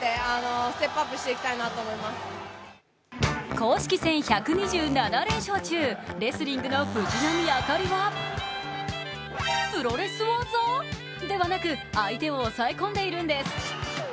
公式戦１２７連勝中、レスリングの藤波朱理はプロレス技？ではなく、相手を抑え込んでいるんです。